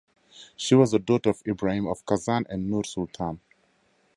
She was the daughter of Ibrahim of Kazan and Nur Sultan.